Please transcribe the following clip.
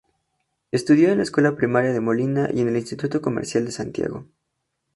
Estudió en la Escuela Primaria de Molina y en el Instituto Comercial de Santiago.